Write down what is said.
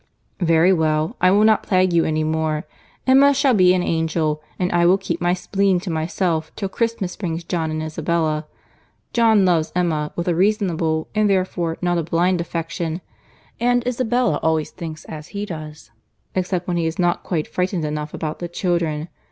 "Very well; I will not plague you any more. Emma shall be an angel, and I will keep my spleen to myself till Christmas brings John and Isabella. John loves Emma with a reasonable and therefore not a blind affection, and Isabella always thinks as he does; except when he is not quite frightened enough about the children.